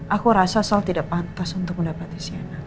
aku rasa sal tidak pantas untuk mendapati sienna